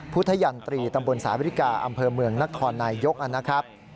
พุทธหยั่นตรีตรสาวิธิกะอำเภอเมืองนักธรนายยก